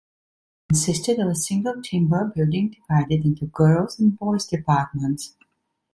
It consisted of a single timber building divided into girls' and boys' departments.